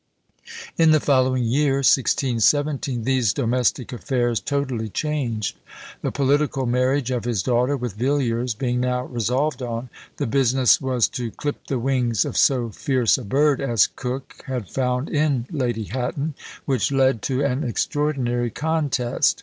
In the following year, 1617, these domestic affairs totally changed. The political marriage of his daughter with Villiers being now resolved on, the business was to clip the wings of so fierce a bird as Coke had found in Lady Hatton, which led to an extraordinary contest.